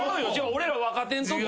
俺ら若手んとき。